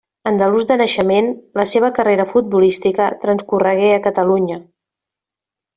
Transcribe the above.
Andalús de naixement, la seva carrera futbolística transcorregué a Catalunya.